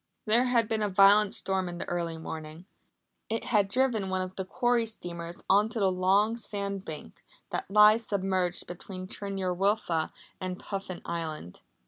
There had been a violent storm in the early morning. It had driven one of the quarry steamers on to the long sand bank that lies submerged between Tryn yr Wylfa and Puffin Island.